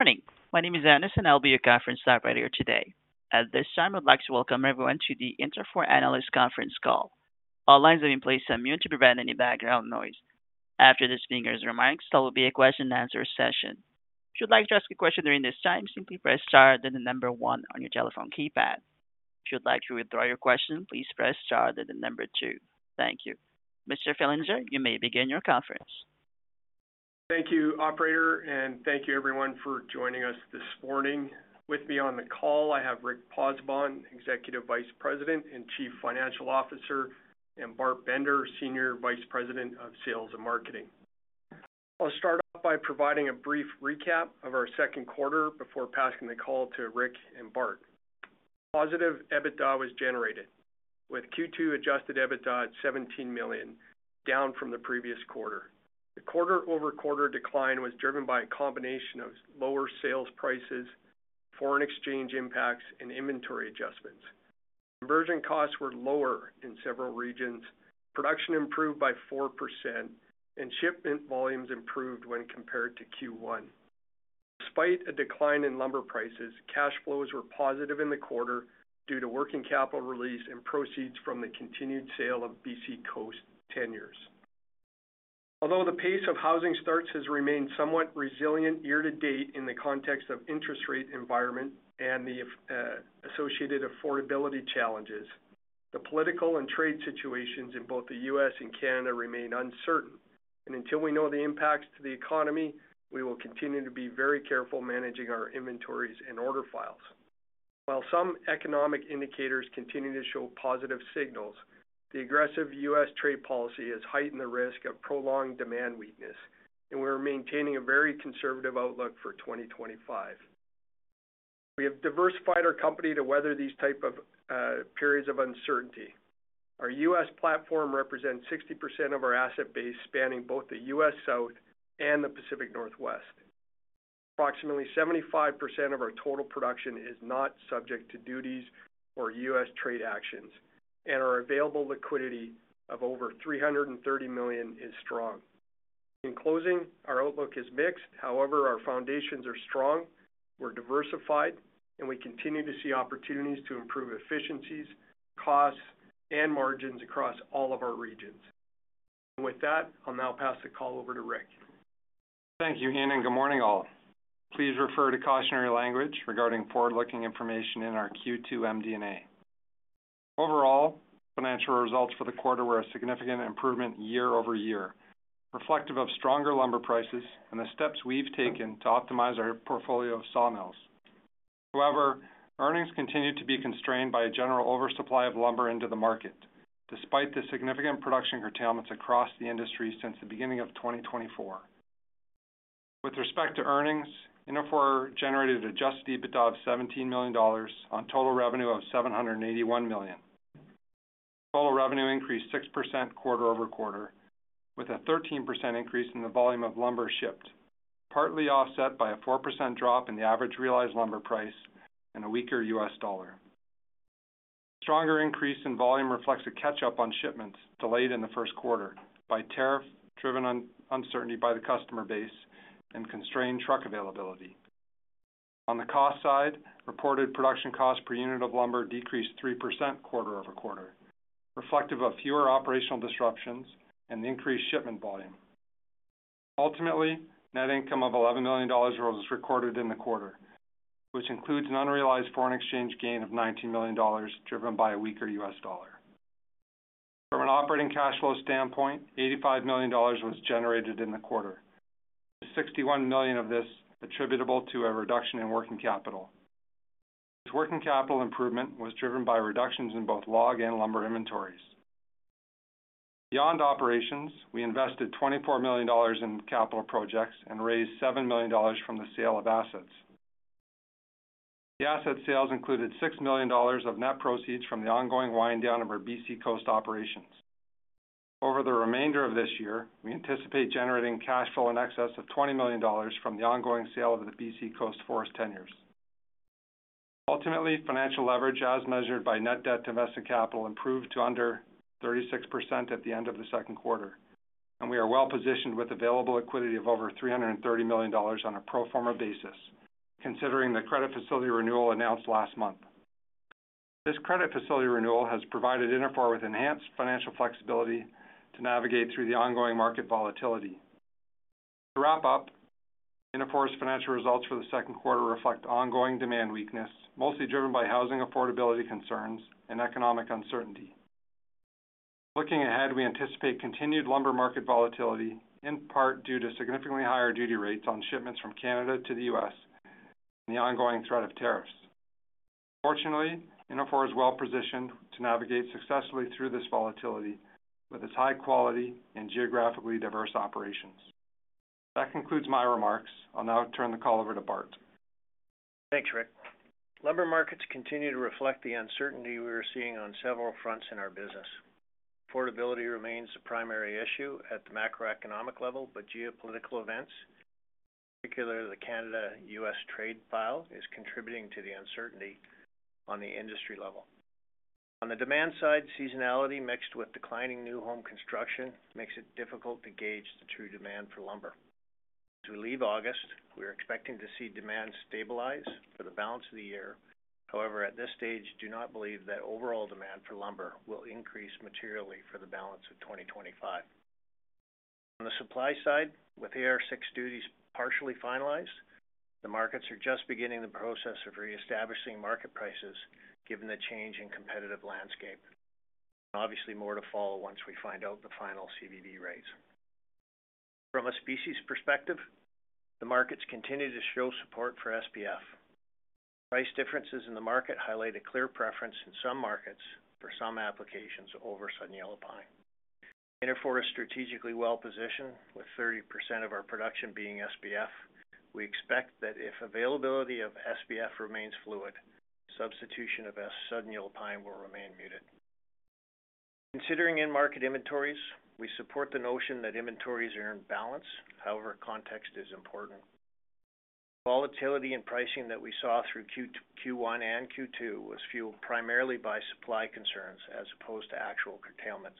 Morning. My name is Ernest, and I'll be your conference moderator today. At this time, I'd like to welcome everyone to the Interfor Analyst Conference call. All lines have been placed on mute to prevent any background noise. After the speaker's remarks, there will be a question and answer session. If you'd like to ask a question during this time, simply press star and the number one on your telephone keypad. If you'd like to withdraw your question, please press star and the number two. Thank you. Mr. Fillinger, you may begin your conference. Thank you, operator, and thank you, everyone, for joining us this morning. With me on the call, I have Rick Pozzebon, Executive Vice President and Chief Financial Officer, and Bart Bender, Senior Vice President of Sales and Marketing. I'll start off by providing a brief recap of our second quarter before passing the call to Rick and Bart. Positive EBITDA was generated, with Q2 adjusted EBITDA at $17 million, down from the previous quarter. The quarter-over-quarter decline was driven by a combination of lower sales prices, foreign exchange impacts, and inventory adjustments. Conversion costs were lower in several regions, production improved by 4%, and shipment volumes improved when compared to Q1. Despite a decline in lumber prices, cash flows were positive in the quarter due to working capital release and proceeds from the continued sale of BC Coast tenures. Although the pace of housing starts has remained somewhat resilient year to date in the context of the interest rate environment and the associated affordability challenges, the political and trade situations in both the U.S. and Canada remain uncertain, and until we know the impacts to the economy, we will continue to be very careful managing our inventories and order files. While some economic indicators continue to show positive signals, the aggressive U.S. trade policy has heightened the risk of prolonged demand weakness, and we are maintaining a very conservative outlook for 2025. We have diversified our company to weather these types of periods of uncertainty. Our U.S. platform represents 60% of our asset base, spanning both the U.S. South and the Pacific Northwest. Approximately 75% of our total production is not subject to duties or U.S. trade actions, and our available liquidity of over $330 million is strong. In closing, our outlook is mixed; however, our foundations are strong, we're diversified, and we continue to see opportunities to improve efficiencies, costs, and margins across all of our regions. With that, I'll now pass the call over to Rick. Thank you, Ian, and good morning all. Please refer to cautionary language regarding forward-looking information in our Q2 MD&A. Overall, financial results for the quarter were a significant improvement year over year, reflective of stronger lumber prices and the steps we've taken to optimize our portfolio of sawmills. However, earnings continue to be constrained by a general oversupply of lumber into the market, despite the significant production curtailments across the industry since the beginning of 2024. With respect to earnings, Interfor generated an adjusted EBITDA of $17 million on total revenue of $781 million. Total revenue increased 6% quarter over quarter, with a 13% increase in the volume of lumber shipped, partly offset by a 4% drop in the average realized lumber price and a weaker U.S. dollar. Stronger increase in volume reflects a catch-up on shipments delayed in the first quarter by tariff-driven uncertainty by the customer base and constrained truck availability. On the cost side, reported production cost per unit of lumber decreased 3% quarter over quarter, reflective of fewer operational disruptions and increased shipment volume. Ultimately, net income of $11 million was recorded in the quarter, which includes an unrealized foreign exchange gain of $19 million, driven by a weaker U.S. dollar. From an operating cash flow standpoint, $85 million was generated in the quarter, with $61 million of this attributable to a reduction in working capital. This working capital improvement was driven by reductions in both log and lumber inventories. Beyond operations, we invested $24 million in capital projects and raised $7 million from the sale of assets. The asset sales included $6 million of net proceeds from the ongoing wind-down of our BC Coast operations. Over the remainder of this year, we anticipate generating cash flow in excess of $20 million from the ongoing sale of the BC Coast forest tenures. Ultimately, financial leverage, as measured by net debt to invested capital, improved to under 36% at the end of the second quarter, and we are well positioned with available liquidity of over $330 million on a pro forma basis, considering the credit facility renewal announced last month. This credit facility renewal has provided Interfor with enhanced financial flexibility to navigate through the ongoing market volatility. To wrap up, Interfor's financial results for the second quarter reflect ongoing demand weakness, mostly driven by housing affordability concerns and economic uncertainty. Looking ahead, we anticipate continued lumber market volatility, in part due to significantly higher duty rates on shipments from Canada to the U.S. and the ongoing threat of tariffs. Fortunately, Interfor is well positioned to navigate successfully through this volatility with its high quality and geographically diverse operations. That concludes my remarks. I'll now turn the call over to Bart. Thanks, Rick. Lumber markets continue to reflect the uncertainty we are seeing on several fronts in our business. Affordability remains the primary issue at the macroeconomic level, but geopolitical events, particularly the Canada-U.S. trade file, are contributing to the uncertainty on the industry level. On the demand side, seasonality, mixed with declining new home construction, makes it difficult to gauge the true demand for lumber. As we leave August, we are expecting to see demand stabilize for the balance of the year. However, at this stage, I do not believe that overall demand for lumber will increase materially for the balance of 2025. On the supply side, with AR6 duties partially finalized, the markets are just beginning the process of reestablishing market prices, given the change in competitive landscape. Obviously, more to follow once we find out the final C.B.D. rates. From a species perspective, the markets continue to show support for SBF. Price differences in the market highlight a clear preference in some markets for some applications over Southern Yellow PIne. Interfor is strategically well positioned, with 30% of our production being SBF. We expect that if availability of SBF remains fluid, substitution of S, Southern Yellow PIne, will remain muted. Considering in-market inventories, we support the notion that inventories are in balance. However, context is important. Volatility in pricing that we saw through Q1 and Q2 was fueled primarily by supply concerns as opposed to actual curtailments.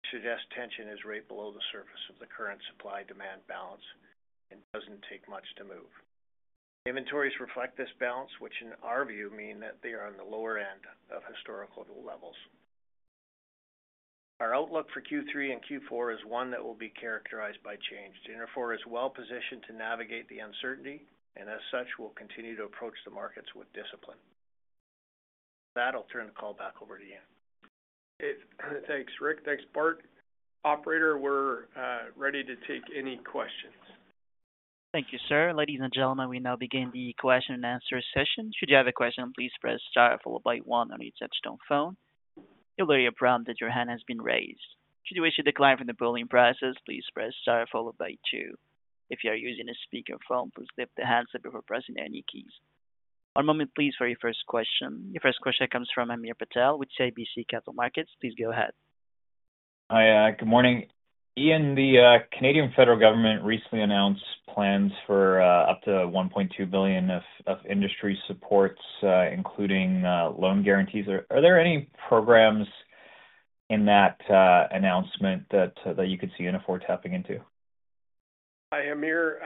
We suggest tension is right below the surface of the current supply-demand balance and doesn't take much to move. Inventories reflect this balance, which in our view means that they are on the lower end of historical levels. Our outlook for Q3 and Q4 is one that will be characterized by change. Interfor is well positioned to navigate the uncertainty, and as such, we'll continue to approach the markets with discipline. That'll turn the call back over to Ian. Thanks, Rick. Thanks, Bart. Operator, we're ready to take any questions. Thank you, sir. Ladies and gentlemen, we now begin the question and answer session. Should you have a question, please press star followed by one on your touch-tone phone. Your line will be prompted your hand has been raised. Should you wish to decline from the polling process, please press star followed by two. If you are using a speaker phone, please lift the handset before pressing any keys. One moment, please, for your first question. Your first question comes from Hamir Patel with CIBC Capital Markets. Please go ahead. Hi, good morning. Ian, the Canadian federal government recently announced plans for up to $1.2 billion of industry supports, including loan guarantees. Are there any programs in that announcement that you could see Interfor tapping into? Hi, Hamir.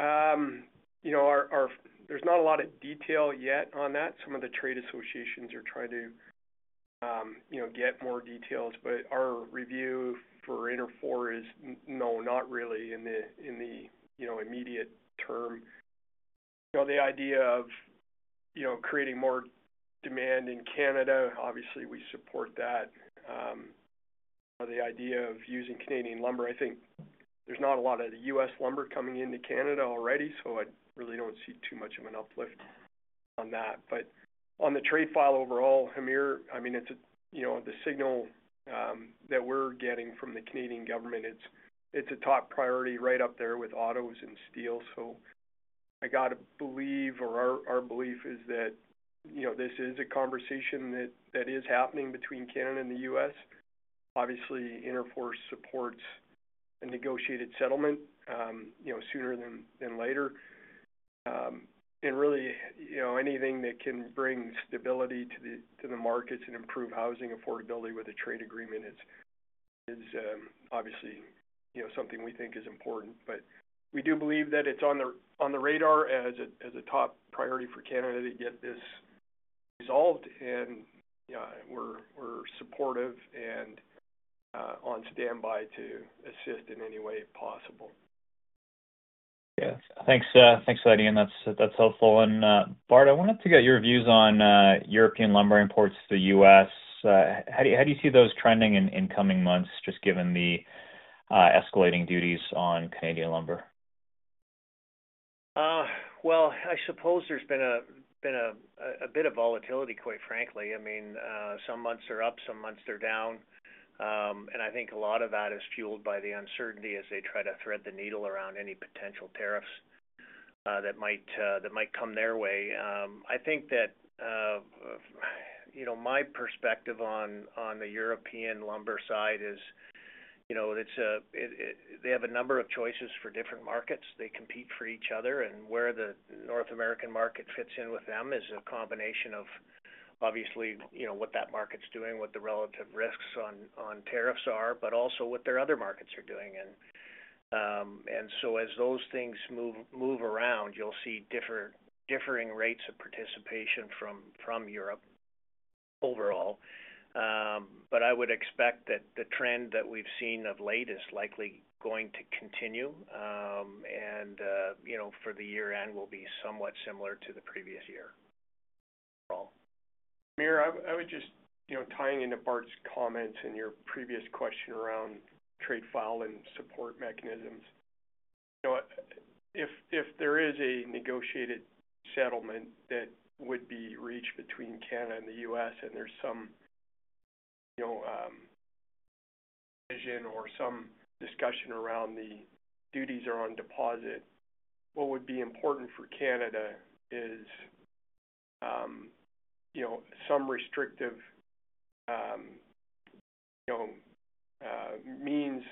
You know, there's not a lot of detail yet on that. Some of the trade associations are trying to get more details, but our review for Interfor is no, not really in the immediate term. The idea of creating more demand in Canada, obviously we support that. The idea of using Canadian lumber, I think there's not a lot of the U.S. lumber coming into Canada already, so I really don't see too much of an uplift on that. On the trade file overall, Amir, the signal that we're getting from the Canadian government, it's a top priority right up there with autos and steel. I got to believe, or our belief is that this is a conversation that is happening between Canada and the U.S. Obviously, Interfor supports a negotiated settlement, you know, sooner than later. Really, anything that can bring stability to the markets and improve housing affordability with a trade agreement is obviously something we think is important. We do believe that it's on the radar as a top priority for Canada to get this resolved, and yeah, we're supportive and on standby to assist in any way possible. Yeah. Thanks, Ian. That's helpful. Bart, I wanted to get your views on European lumber imports to the U.S. How do you see those trending in coming months, just given the escalating duties on Canadian lumber? There has been a bit of volatility, quite frankly. Some months are up, some months are down. I think a lot of that is fueled by the uncertainty as they try to thread the needle around any potential tariffs that might come their way. My perspective on the European lumber side is they have a number of choices for different markets. They compete for each other, and where the North American market fits in with them is a combination of what that market's doing, what the relative risks on tariffs are, but also what their other markets are doing. As those things move around, you'll see different rates of participation from Europe overall. I would expect that the trend we've seen of late is likely going to continue, and for the year end will be somewhat similar to the previous year. Hamir, I would just, tying into Bart's comments and your previous question around trade file and support mechanisms. If there is a negotiated settlement that would be reached between Canada and the U.S., and there's some vision or some discussion around the duties are on deposit, what would be important for Canada is some restrictive means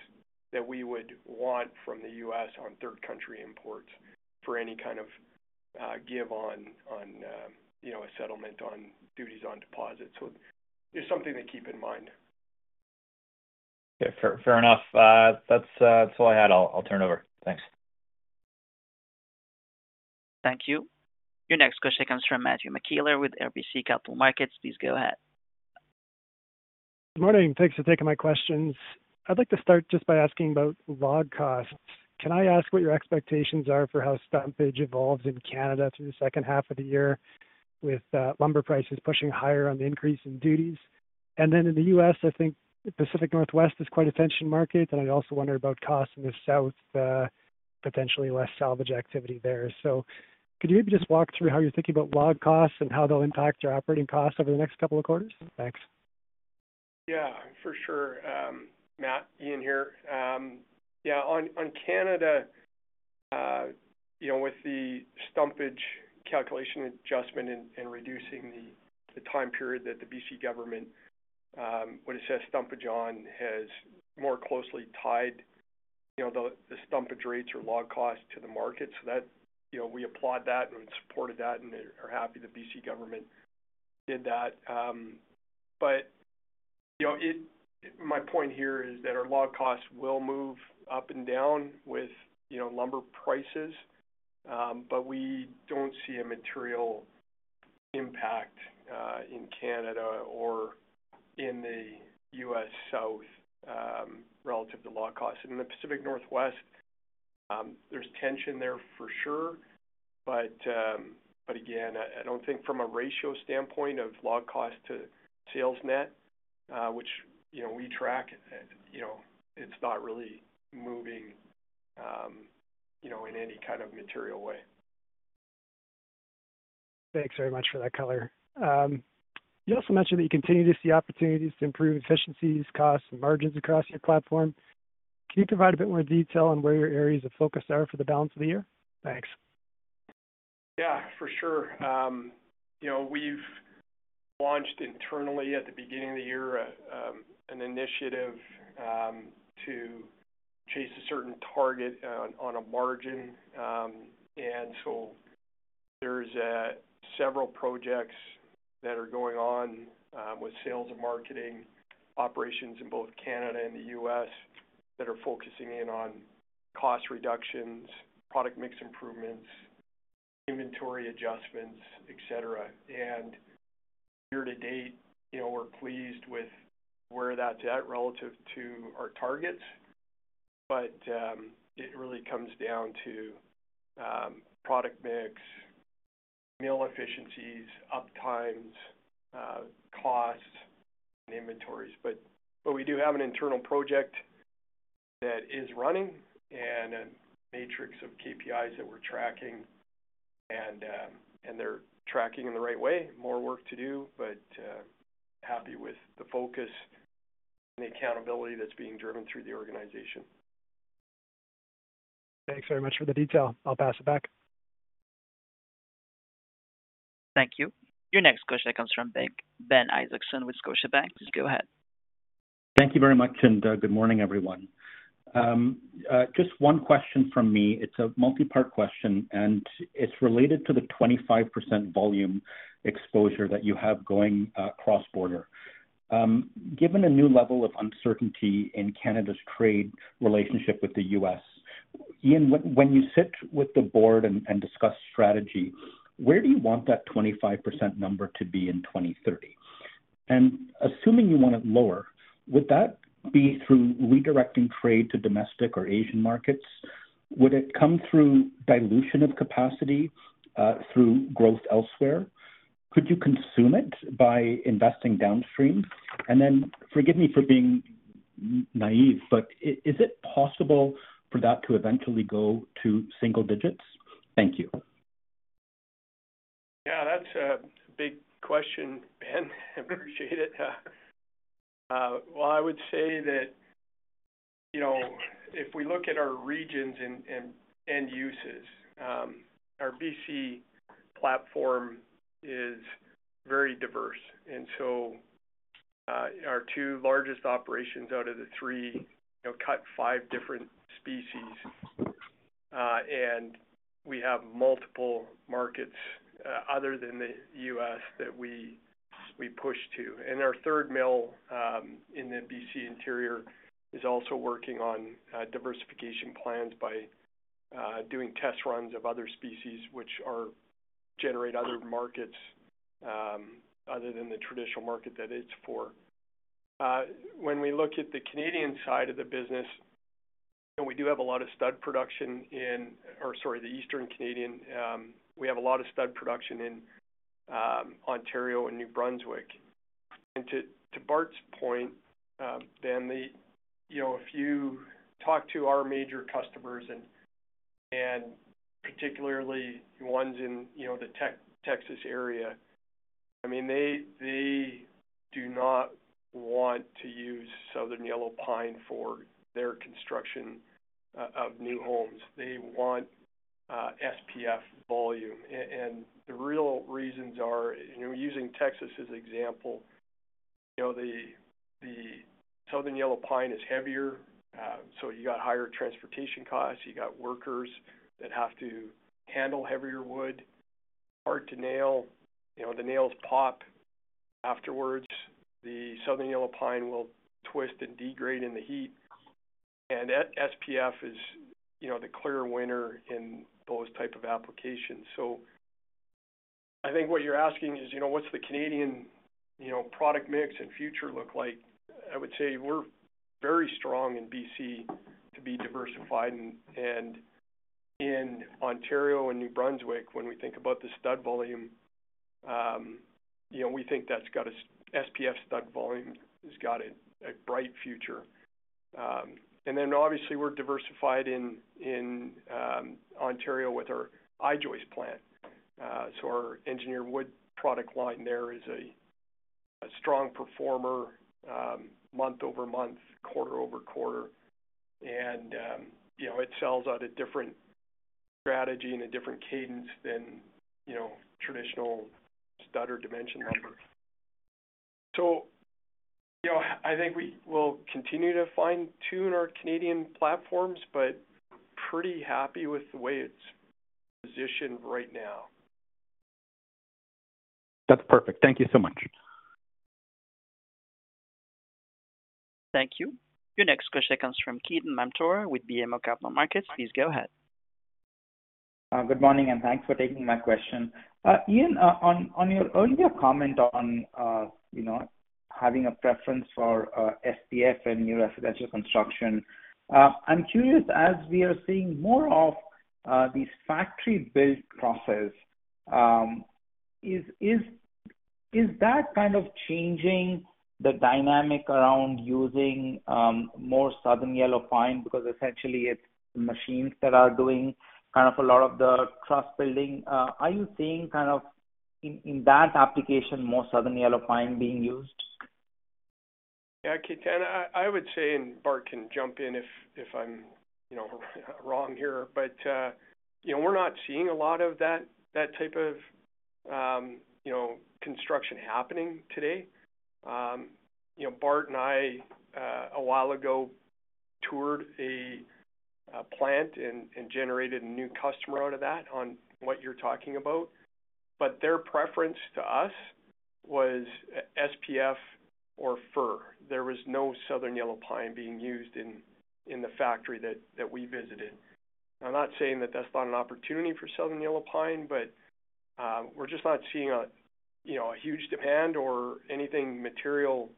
that we would want from the U.S. on third country imports for any kind of give on a settlement on duties on deposit. It's something to keep in mind. Yeah, fair enough. That's all I had. I'll turn it over. Thanks. Thank you. Your next question comes from Matthew McKellar with RBC Capital Markets. Please go ahead. Good morning. Thanks for taking my questions. I'd like to start just by asking about log costs. Can I ask what your expectations are for how stumpage evolves in Canada through the second half of the year with lumber prices pushing higher on the increase in duties? In the U.S., I think the Pacific Northwest is quite a tension market, and I'd also wonder about costs in the South, potentially less salvage activity there. Could you maybe just walk through how you're thinking about log costs and how they'll impact your operating costs over the next couple of quarters? Thanks. Yeah, for sure. Matt, Ian here. Yeah, on Canada, with the stumpage calculation adjustment and reducing the time period that the BC government would assess stumpage on, has more closely tied the stumpage rates or log costs to the market. We applaud that and supported that and are happy the BC government did that. My point here is that our log costs will move up and down with lumber prices, but we don't see a material impact in Canada or in the U.S. South relative to log costs. In the Pacific Northwest, there's tension there for sure, but again, I don't think from a ratio standpoint of log costs to sales net, which we track, it's not really moving in any kind of material way. Thanks very much for that color. You also mentioned that you continue to see opportunities to improve efficiencies, costs, and margins across your platform. Can you provide a bit more detail on where your areas of focus are for the balance of the year? Thanks. Yeah, for sure. We've launched internally at the beginning of the year an initiative to chase a certain target on a margin, and so there's several projects that are going on with sales and marketing operations in both Canada and the U.S. that are focusing in on cost reductions, product mix improvements, inventory adjustments, etc. Year to date, we're pleased with where that's at relative to our targets. It really comes down to product mix, mill efficiencies, uptimes, costs, and inventories. We do have an internal project that is running and a matrix of KPIs that we're tracking, and they're tracking in the right way. More work to do, but happy with the focus and the accountability that's being driven through the organization. Thanks very much for the detail. I'll pass it back. Thank you. Your next question comes from Ben Isaacson with Scotiabank. Please go ahead. Thank you very much, and good morning, everyone. Just one question from me. It's a multi-part question, and it's related to the 25% volume exposure that you have going cross-border. Given a new level of uncertainty in Canada's trade relationship with the U.S., Ian, when you sit with the board and discuss strategy, where do you want that 25% number to be in 2030? Assuming you want it lower, would that be through redirecting trade to domestic or Asian markets? Would it come through dilution of capacity through growth elsewhere? Could you consume it by investing downstream? Forgive me for being naive, but is it possible for that to eventually go to single digits? Thank you. That's a big question, Ben. I appreciate it. I would say that if we look at our regions and end uses, our BC platform is very diverse. Our two largest operations out of the three cut five different species, and we have multiple markets other than the U.S. that we push to. Our third mill in the BC interior is also working on diversification plans by doing test runs of other species, which generate other markets other than the traditional market that it's for. When we look at the Canadian side of the business, we do have a lot of stud production in, or sorry, the Eastern Canadian. We have a lot of stud production in Ontario and New Brunswick. To Bart's point, Ben, if you talk to our major customers and particularly ones in the Texas area, they do not want to use Southern Yellow PIne for their construction of new homes. They want SPF volume. The real reasons are, using Texas as an example, the Southern Yellow PIne is heavier, so you have higher transportation costs, you have workers that have to handle heavier wood, hard to nail, the nails pop afterwards, the Southern Yellow PIne will twist and degrade in the heat, and SPF is the clear winner in those types of applications. I think what you're asking is, what's the Canadian product mix and future look like? I would say we're very strong in BC to be diversified, and in Ontario and New Brunswick, when we think about the stud volume, we think that's got a SPF stud volume has got a bright future. Obviously we're diversified in Ontario with our I-joists plant. Our engineered wood product line there is a strong performer, month over month, quarter over quarter, and it sells out a different strategy and a different cadence than traditional stud or dimension lumber. I think we will continue to fine-tune our Canadian platforms, but I'm pretty happy with the way it's positioned right now. That's perfect. Thank you so much. Thank you. Your next question comes from Ketan Mamtora with BMO Capital Markets. Please go ahead. Good morning, and thanks for taking my question. Ian, on your earlier comment on, you know, having a preference for SPF in new residential construction, I'm curious, as we are seeing more of these factory-built crosses, is that kind of changing the dynamic around using more Southern Yellow PIne? Because essentially it's the machines that are doing kind of a lot of the truss building. Are you seeing kind of in that application more Southern Yellow PIne being used? Yeah, Ketan, I would say, and Bart can jump in if I'm wrong here, but we're not seeing a lot of that type of construction happening today. Bart and I, a while ago, toured a plant and generated a new customer out of that on what you're talking about. Their preference to us was SPF or fir. There was no Southern Yellow PIne being used in the factory that we visited. I'm not saying that's not an opportunity for Southern Yellow PIne, but we're just not seeing a huge demand or anything material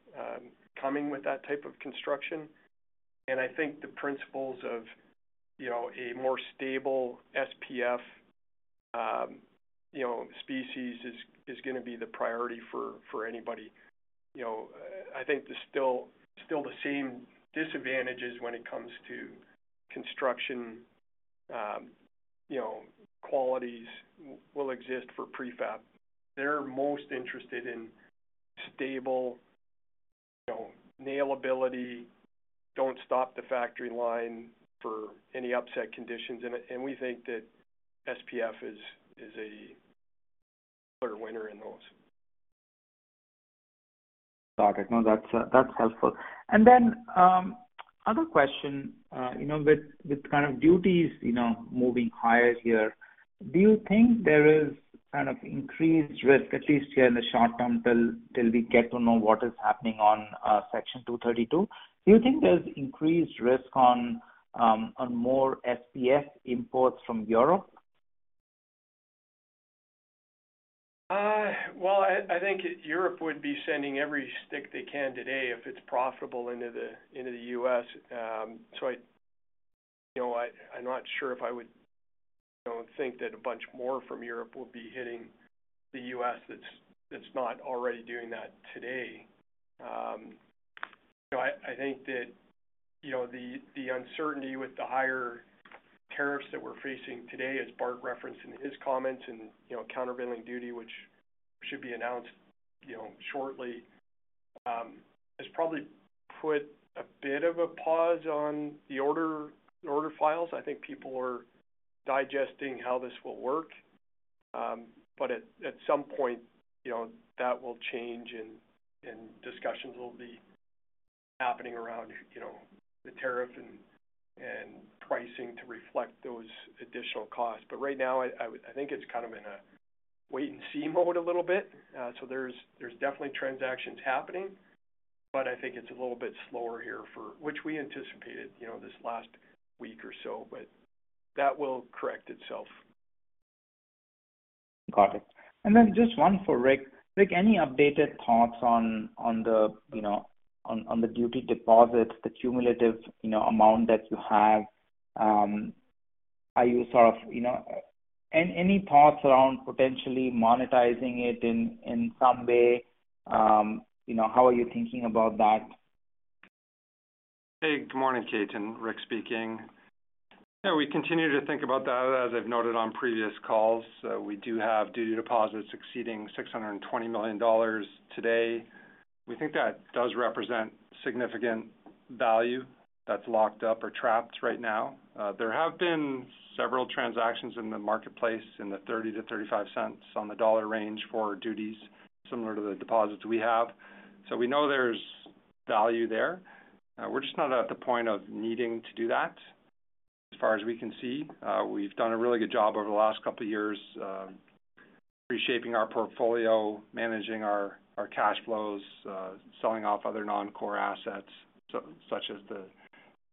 coming with that type of construction. I think the principles of a more stable SPF species are going to be the priority for anybody. I think there's still the same disadvantages when it comes to construction. Qualities will exist for prefab. They're most interested in stable nailability, don't stop the factory line for any upset conditions, and we think that SPF is a clear winner in those. Okay, no, that's helpful. Other question, with kind of duties moving higher here, do you think there is kind of increased risk, at least here in the short term, till we get to know what is happening on section 232? Do you think there's increased risk on more SPF imports from Europe? I think Europe would be sending every stick they can today if it's profitable into the U.S. I, you know, I'm not sure if I would think that a bunch more from Europe would be hitting the U.S. that's not already doing that today. I think that the uncertainty with the higher tariffs that we're facing today, as Bart referenced in his comments, and countervailing duty, which should be announced shortly, has probably put a bit of a pause on the order files. I think people are digesting how this will work. At some point, that will change and discussions will be happening around the tariff and pricing to reflect those additional costs. Right now, I think it's kind of in a wait-and-see mode a little bit. There's definitely transactions happening, but I think it's a little bit slower here, which we anticipated this last week or so, but that will correct itself. Got it. Just one for Rick. Rick, any updated thoughts on the duty deposits, the cumulative amount that you have? Are you sort of, any thoughts around potentially monetizing it in some way? How are you thinking about that? Hey, good morning, Ketan. Rick speaking. Yeah, we continue to think about that, as I've noted on previous calls. We do have duty deposits exceeding $620 million today. We think that does represent significant value that's locked up or trapped right now. There have been several transactions in the marketplace in the $0.30 - $0.35 on the dollar range for duties, similar to the deposits we have. We know there's value there. We're just not at the point of needing to do that, as far as we can see. We've done a really good job over the last couple of years reshaping our portfolio, managing our cash flows, selling off other non-core assets, such as the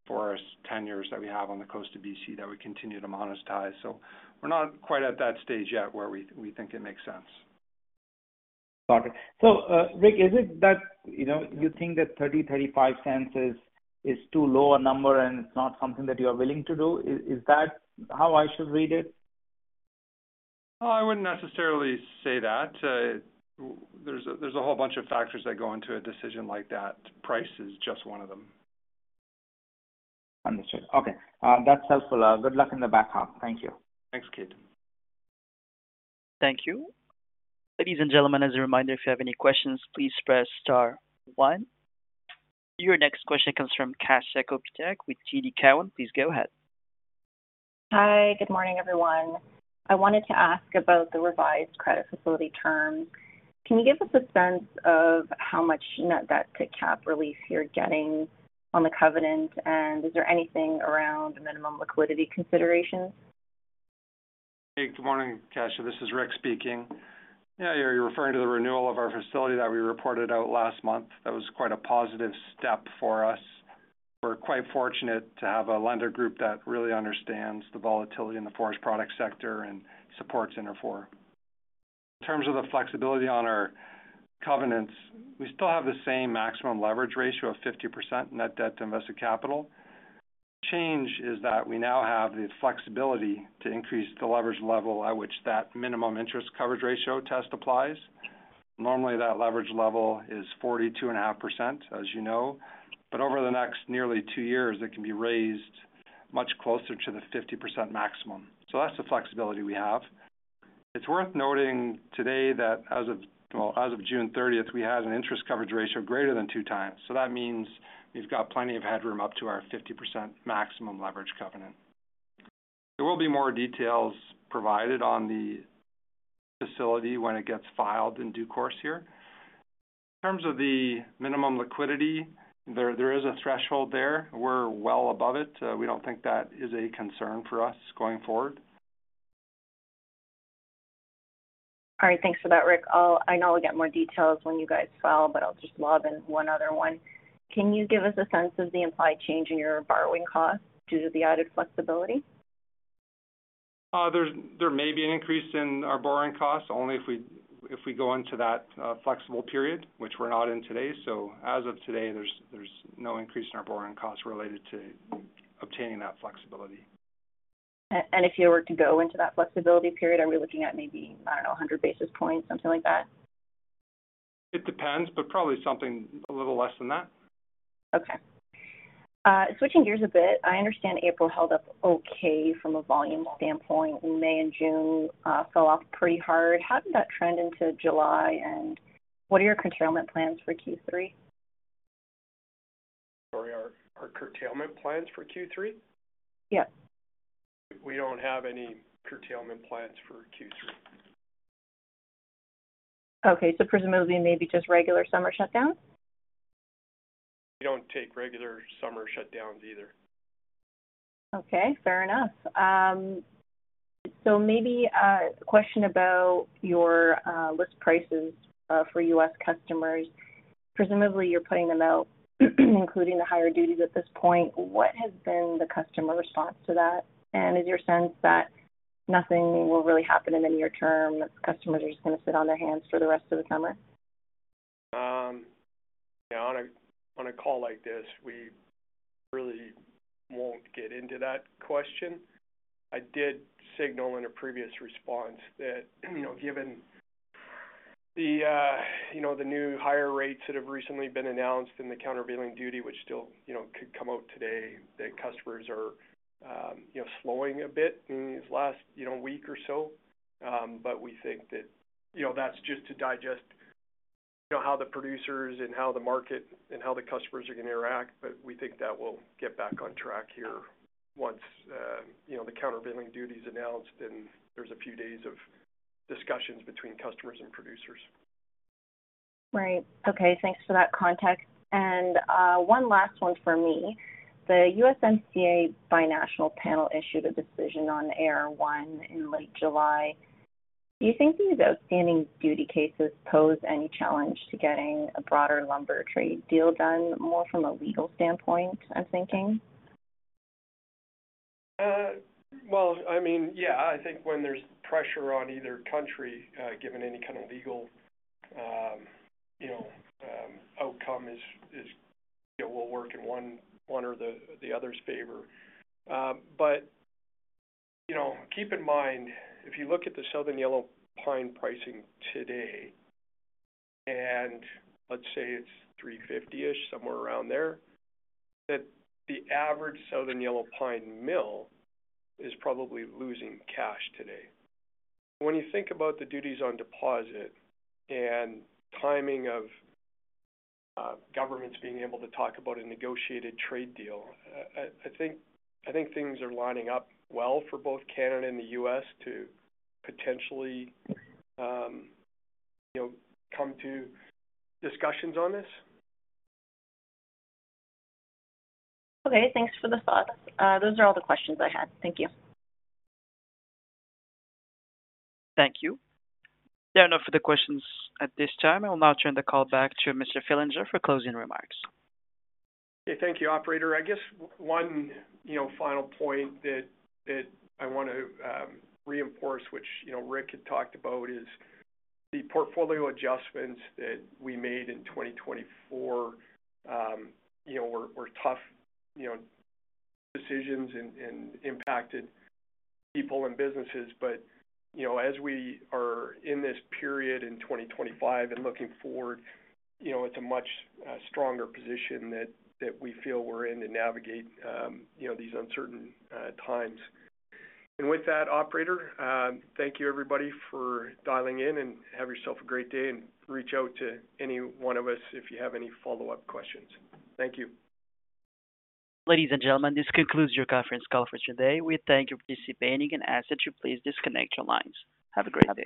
forest tenures that we have on the BC Coast that we continue to monetize. We're not quite at that stage yet where we think it makes sense. Got it. Rick, is it that, you know, you think that $0.30, $0.35 is too low a number and it's not something that you are willing to do? Is that how I should read it? I wouldn't necessarily say that. There's a whole bunch of factors that go into a decision like that. Price is just one of them. Understood. Okay, that's helpful. Good luck in the back half. Thank you. Thanks, Ketan. Thank you. Ladies and gentlemen, as a reminder, if you have any questions, please press star one. Your next question comes from Kasia Trzaski Kopytek with TD Cowen. Please go ahead. Hi, good morning everyone. I wanted to ask about the revised credit facility term. Can you give us a sense of how much net debt to cap relief you're getting on the covenant, and is there anything around minimum liquidity considerations? Hey, good morning, Kasia. This is Rick speaking. Yeah, you're referring to the renewal of our credit facility that we reported out last month. That was quite a positive step for us. We're quite fortunate to have a lender group that really understands the volatility in the forest product sector and supports Interfor. In terms of the flexibility on our covenants, we still have the same maximum leverage ratio of 50% net debt to invested capital. The change is that we now have the flexibility to increase the leverage level at which that minimum interest coverage ratio test applies. Normally, that leverage level is 42.5%, as you know, but over the next nearly two years, it can be raised much closer to the 50% maximum. That's the flexibility we have. It's worth noting today that as of June 30, we had an interest coverage ratio greater than two times. That means we've got plenty of headroom up to our 50% maximum leverage covenant. There will be more details provided on the credit facility when it gets filed in due course here. In terms of the minimum liquidity, there is a threshold there. We're well above it. We don't think that is a concern for us going forward. All right, thanks for that, Rick. I know I'll get more details when you guys file, but I'll just lob in one other one. Can you give us a sense of the implied change in your borrowing costs due to the added flexibility? There may be an increase in our borrowing costs only if we go into that flexible period, which we're not in today. As of today, there's no increase in our borrowing costs related to obtaining that flexibility. If you were to go into that flexibility period, are we looking at maybe, I don't know, 100 basis points, something like that? It depends, probably something a little less than that. Okay. Switching gears a bit, I understand April held up okay from a volume standpoint, and May and June fell off pretty hard. How did that trend into July, and what are your curtailment plans for Q3? Sorry, our curtailment plans for Q3? Yep. We don't have any curtailment plans for Q3. Okay, so presumably maybe just regular summer shutdowns? We don't take regular summer shutdowns either. Okay, fair enough. Maybe a question about your list prices for U.S. customers. Presumably, you're putting them out, including the higher duties at this point. What has been the customer response to that? Is your sense that nothing will really happen in the near term, that customers are just going to sit on their hands for the rest of the summer? On a call like this, we really won't get into that question. I did signal in a previous response that, given the new higher rates that have recently been announced in the countervailing duty, which still could come out today, that customers are slowing a bit in these last week or so. We think that that's just to digest how the producers and how the market and how the customers are going to interact. We think that we'll get back on track here once the countervailing duty is announced and there's a few days of discussions between customers and producers. Right. Okay, thanks for that context. One last one from me. The USMCA binational panel issued a decision on AR1 in late July. Do you think these outstanding duty cases pose any challenge to getting a broader lumber trade deal done, more from a legal standpoint, I'm thinking? I think when there's pressure on either country, given any kind of legal outcome, it will work in one or the other's favor. Keep in mind, if you look at the Southern Yellow PIne pricing today, and let's say it's $350-ish, somewhere around there, the average Southern Yellow PIne mill is probably losing cash today. When you think about the duties on deposit and timing of governments being able to talk about a negotiated trade deal, I think things are lining up well for both Canada and the U.S. to potentially come to discussions on this. Okay, thanks for the thought. Those are all the questions I had. Thank you. Thank you. There are no further questions at this time. I will now turn the call back to Mr. Fillinger for closing remarks. Okay, thank you, operator. One final point that I want to reinforce, which Rick had talked about, is the portfolio adjustments that we made in 2024 were tough decisions and impacted people and businesses. As we are in this period in 2025 and looking forward, it's a much stronger position that we feel we're in to navigate these uncertain times. With that, operator, thank you, everybody, for dialing in, and have yourself a great day, and reach out to any one of us if you have any follow-up questions. Thank you. Ladies and gentlemen, this concludes your conference call for today. We thank you for participating, and as such, please disconnect your lines. Have a great day.